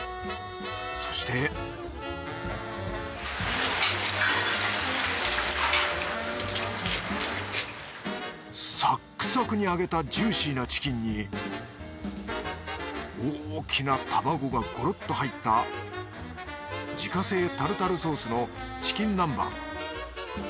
そしてサクサクに揚げたジューシーなチキンに大きな卵がゴロッと入った自家製タルタルソースのチキン南蛮